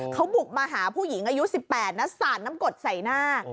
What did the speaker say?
เขาบุกมาหาผู้หญิงอายุ๑๘นะสาดน้ำกดใส่หน้า